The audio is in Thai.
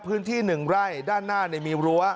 พื้นที่๑ไร่ด้านหน้ามีรั้ว